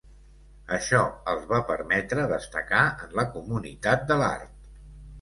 Això els va permetre destacar en la comunitat de l'art.